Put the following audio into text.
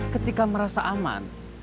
ketika merasa aman